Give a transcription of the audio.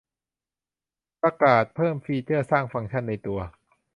ประกาศเพิ่มฟีเจอร์สร้างฟังก์ชั่นในตัว